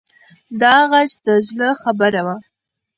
دا غږ د زړه خبره وه.